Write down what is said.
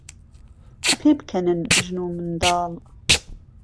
پێبکهنن ژن و منداڵ